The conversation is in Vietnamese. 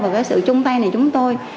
và cái sự chung tay này của chúng tôi